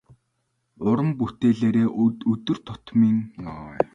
Уран бүтээлээрээ өдөр тутмын амьдралаас төрсөн сэтгэгдэл, бодрол, харсан үзсэн зүйлсээ илэрхийлдэг.